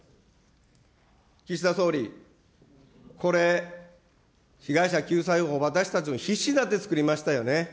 岸田総理、これ、被害者救済法、私たち、必死になってつくりましたよね。